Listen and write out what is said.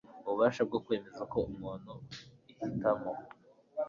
ububasha bwo kwemeza ko umuntu ihitamo